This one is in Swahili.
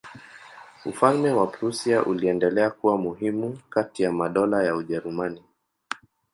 Ufalme wa Prussia uliendelea kuwa muhimu kati ya madola ya Ujerumani.